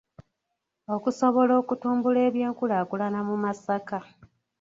Okusobola okutumbula eby’enkulaakulana mu Masaka.